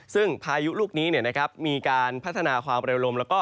ซึ่งภายุลูกนี้นะครับมีการพัฒนาความไปลม